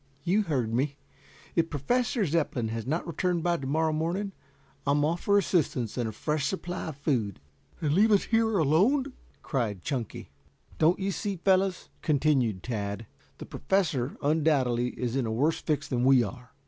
"You heard me. If Professor Zepplin has not returned by to morrow morning I'm off for assistance and a fresh supply of food." "And leave us here alone?" cried Chunky. "Don't you see, fellows," continued Tad, "the Professor undoubtedly is in a worse fix than we are.